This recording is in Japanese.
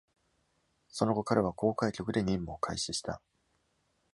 その後、彼は航海局で任務を開始した。